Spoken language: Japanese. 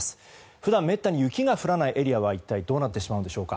普段めったに雪が降らないエリアはどうなってしまうんでしょうか。